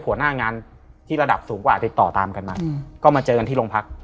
หัวหน้างานที่ระดับสูงกว่าติดต่อตามกันมาก็มาเจอกันที่โรงพัก